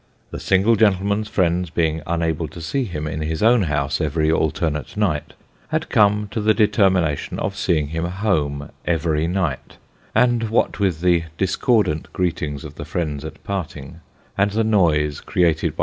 The single gentleman's friends being unable to see him in his own house every alternate night, had come to the deter mination of seeing him homo every night ; and what with the dis cordant greetings of the friends at parting, and the noise created by The Lodgers next door.